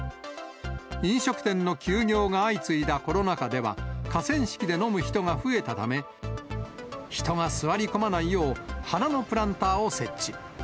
飲食店の休業が相次いだコロナ禍では、河川敷で飲む人が増えたため、人が座り込まないよう、花のプランターを設置。